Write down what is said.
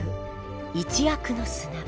「一握の砂」